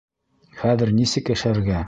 Хәҙер нисек... йәшәргә?